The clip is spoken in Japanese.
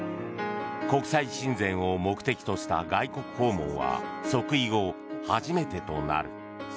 国際親善を目的とした外国訪問は即位後初めてとなる。